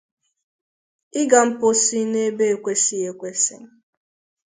ịga mposi n'ebe ekwesighị ekwesi